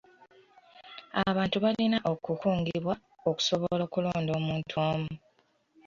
Abantu balina okukungibwa okusobola okulonda omuntu omu.